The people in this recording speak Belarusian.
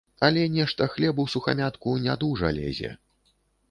Але нешта хлеб усухамятку не дужа лезе.